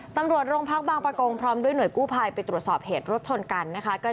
ตำรวจโรงพักบางประกงพร้อมด้วยหน่วยกู้ภัยไปตรวจสอบเหตุรถชนกันนะคะ